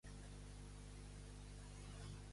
Per què s'hi han abstingut els comuns?